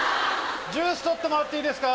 ジュース取ってもらっていいですか？